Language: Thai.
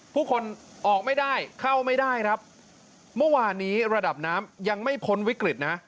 ผู้คนออกไม่ได้เข้าไม่ได้ครับเมื่อวานนี้ระดับน้ำยังไม่พ้นวิกฤตนะ